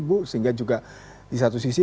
bu sehingga juga di satu sisi